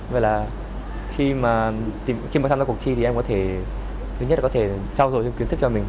vậy là khi mà tham gia cuộc thi thì em có thể thứ nhất là có thể trao dồi thêm kiến thức cho mình